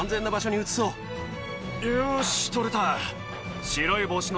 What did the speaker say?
よし取れた。